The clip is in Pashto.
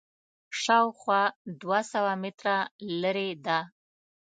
شاوخوا دوه سوه متره لرې ده.